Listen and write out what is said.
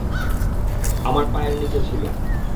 আমার পায়ের নিচে ছিলো।